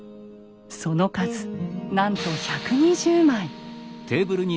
その数なんと１２０枚。